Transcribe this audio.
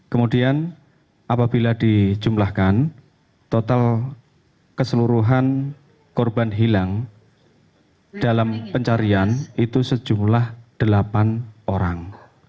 kemudian apabila dijumlahkan total keseluruhan korban hilang dalam pencarian itu sejumlah delapan orang